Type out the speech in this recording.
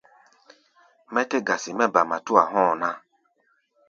Mɛ́ tɛ́ gasi mɛ́ ba matúa hɔ̧́ɔ̧ ná.